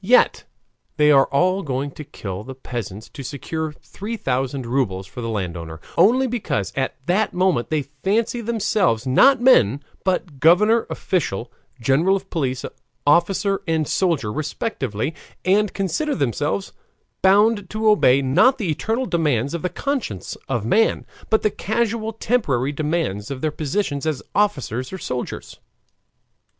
Yet they are all going to kill the peasants to secure three thousand rubles for the landowner, only because at that moment they fancy themselves not men but governor, official, general of police, officer, and soldier, respectively, and consider themselves bound to obey, not the eternal demands of the conscience of man, but the casual, temporary demands of their positions as officers or soldiers.